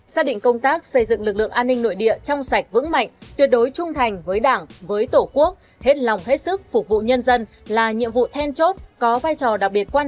xác định công tác xây dựng lực lượng an ninh nội địa trong sạch vững mạnh tuyệt đối trung thành với đảng với tổ quốc hết lòng hết sức phục vụ nhân dân là nhiệm vụ thêm chung